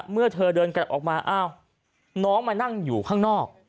เมื่อเธอเดินกลับออกมาอ้าวน้องมานั่งอยู่ข้างนอก